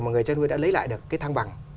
mà người chăn nuôi đã lấy lại được cái thang bằng